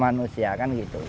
manusia kan gitu